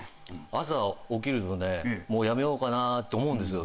朝起きるともうやめようかなと思うんですよ